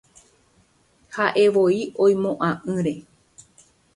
Ha'evoi oimo'ã'ỹre.